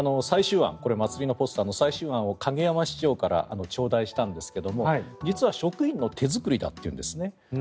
祭りのポスターの最終案を市長から頂戴したんですが実は職員の手作りだというんですね。